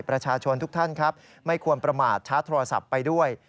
ประชาชนทุกท่านครับไม่ควรประมาทชาร์จโทรศัพท์ไปด้วย